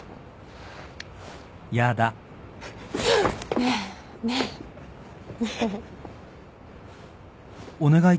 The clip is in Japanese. ねえ！ねえ！ねえ。